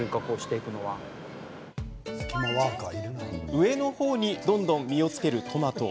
上の方にどんどん実をつけるトマト。